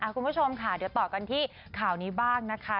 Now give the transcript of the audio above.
คุณผู้ชมค่ะเดี๋ยวต่อกันที่ข่าวนี้บ้างนะคะ